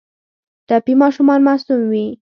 ټپي ماشومان معصوم وي.